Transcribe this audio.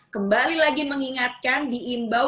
kembali lagi mengingatkan diimbau